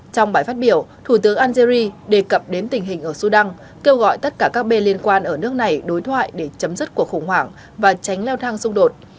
trong bài phát biểu thủ tướng algeria đề cập đến tình hình ở sudan kêu gọi tất cả các bên liên quan ở nước này đối thoại để chấm dứt cuộc khủng hoảng và tránh leo thang xung đột